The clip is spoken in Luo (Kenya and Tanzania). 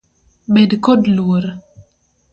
Bed kod luor .